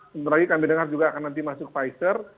sebentar lagi kami dengar juga akan nanti masuk pfizer